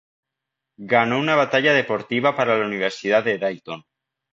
Ganó una beca deportiva para la Universidad de Dayton.